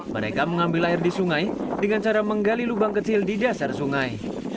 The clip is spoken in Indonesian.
mereka mengambil air di sungai dengan cara menggali lubang kecil di dasar sungai